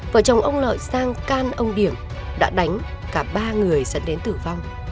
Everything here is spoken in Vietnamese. vợ chồng ông lợi sang can ông điểm đã đánh cả ba người dẫn đến tử vong